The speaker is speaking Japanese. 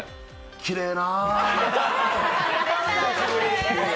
きれいな。